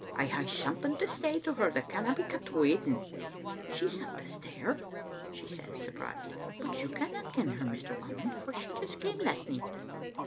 I hae something to say to her that canna be kept wait ing.' "'She's up the stair,' she says, surprised, 'but you canna ken her, Mr. Whamond, for she just came last nicht.'